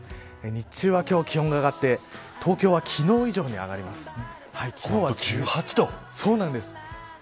日中は今日は気温が上がって東京は昨日以上に上がります。